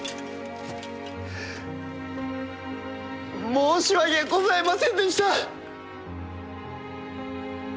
申し訳ございませんでした！